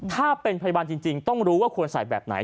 ถ้าเป็นพยาบาลจริงต้องรู้ว่าควรใส่แบบไหน